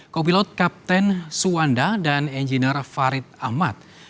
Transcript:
kopilot kapten suwanda dan engineer farid ahmad